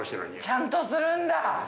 ちゃんとするんだ。